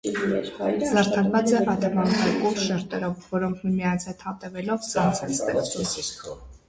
Զարդարված է ադամանդակուռ շերտերով, որոնք միմյանց հետ հատվելով ցանց են ստեղծում։